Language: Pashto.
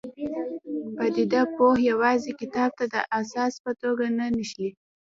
پدیده پوه یوازې کتاب ته د اساس په توګه نه نښلي.